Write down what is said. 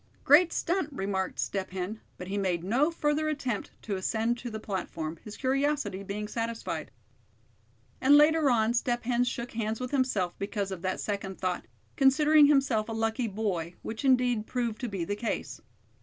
"Great stunt," remarked Step Hen, but he made no further attempt to ascend to the platform, his curiosity being satisfied. And later on, Step Hen shook hands with himself because of that second thought, considering himself a lucky boy, which indeed proved to be the case.